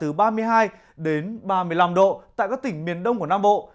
từ ba mươi hai đến ba mươi năm độ tại các tỉnh miền đông của nam bộ